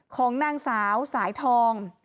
ของนางสาวสายทอง